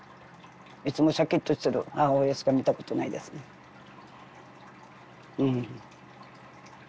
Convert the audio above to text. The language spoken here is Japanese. いつもしゃきっとしてる母親しか見たことないですねうん。